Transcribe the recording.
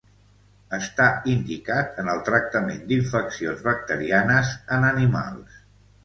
Està indicat en el tractament d'infeccions bacterianes en animals.